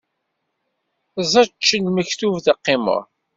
Ẓečč lmektub teqqimeḍ!